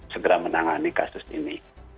segera menangani kasus ini